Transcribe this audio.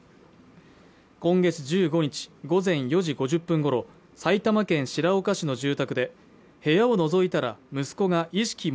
今月１５日午前４時５０分ごろ埼玉県白岡市の住宅で部屋をのぞいたら息子が意識